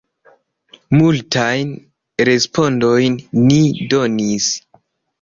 Multajn respondojn ni donis.